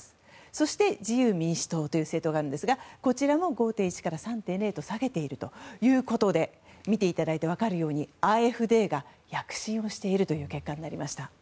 そして自由民主党という政党があるんですがこちらも５．１から３．０と下げているということで見ていただいて分かるようにＡｆＤが躍進しているという結果になりました。